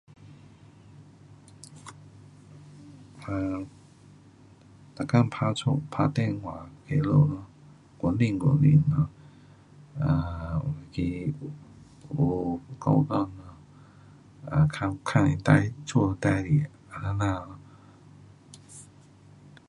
um 每天打家打电话给他们咯，关心关心咯，um 去有讲讲 um 问问事家的事情这样咯。